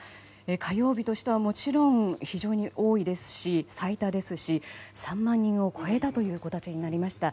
火曜日としてはもちろん非常に多いですし最多ですし、３万人を超えたという形になりました。